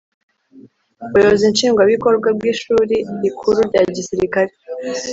Ubuyobozi Nshingwabikorwa bw’ Ishuri Rikuru rya Gisirikare